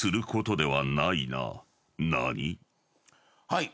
はい。